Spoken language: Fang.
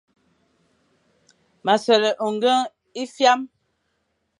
M a sole ôñgeñy e fyam.